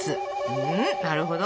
うんなるほど。